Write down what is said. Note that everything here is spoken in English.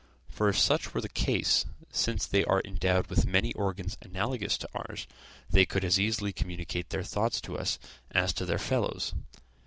For if such were the case, since they are endowed with many organs analogous to ours, they could as easily communicate their thoughts to us as to their fellows.